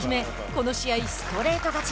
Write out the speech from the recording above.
この試合ストレート勝ち。